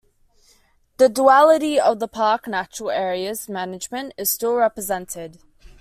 The duality of the park-natural area's management is still represented.